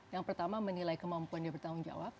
yang pertama menilai kemampuan dia bertanggung jawab